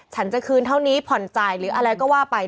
ฉันจะคืนเท่านี้ผ่อนจ่ายหรืออะไรก็ว่าไป